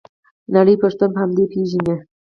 نړۍ پښتون په همدې پیژني.